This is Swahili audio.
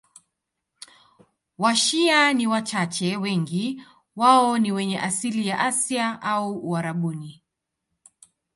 Washia ni wachache, wengi wao ni wenye asili ya Asia au Uarabuni.